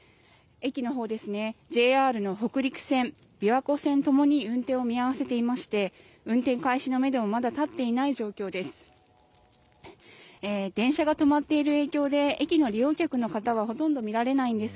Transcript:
駅のほうＪＲの北陸線、琵琶湖線ともに運転を見合わせていまして運転開始のめどもまだ立っていない状況です。